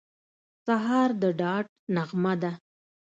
سهار د ډاډ نغمه ده.